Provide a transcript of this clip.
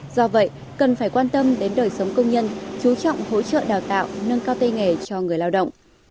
do vậy cần phải quan tâm đến đời sống công nhân chú trọng hỗ trợ đào tạo nâng cao tay nghề cho người lao động